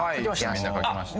みんな描きました。